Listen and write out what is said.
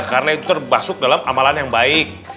karena itu terbasuk dalam amalan yang baik